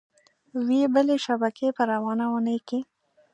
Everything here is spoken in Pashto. وې بلې شبکې په روانه اونۍ کې